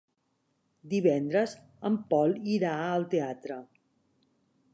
Divendres en Pol irà al teatre.